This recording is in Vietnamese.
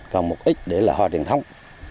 còn một ít để là hoa truyền thống